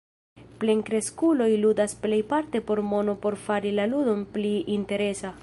Plenkreskuloj ludas plejparte por mono por fari la ludon pli interesa.